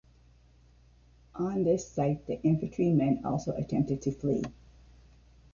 On this sight, the infantrymen also attempted to flee.